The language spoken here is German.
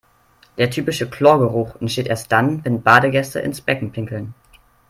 Der typische Chlorgeruch entsteht erst dann, wenn Badegäste ins Becken pinkeln.